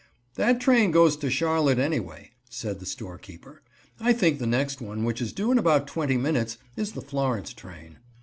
"That train goes to Charlotte, anyway," said the storekeeper. "I think the next one, which is due in about twenty minutes, is the Florence train."